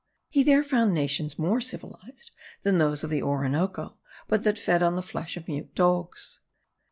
He there found nations more civilized than those of the Orinoco, but that fed on the flesh of mute dogs.